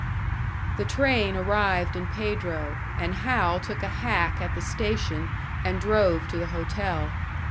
The train arrived in Pedro, and Hal took a hack at the station and drove to the hotel.